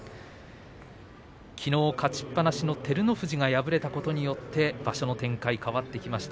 きのう勝ちっぱなしの照ノ富士が敗れたことによって場所の展開が変わってきました。